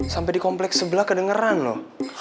sampai di kompleks sebelah kedengeran loh